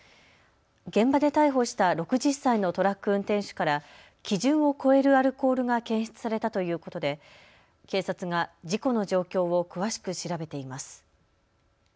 現場で逮捕した６０歳のトラック運転手から基準を超えるアルコールが検出されたということで警察が事故の状況を詳しく調べています。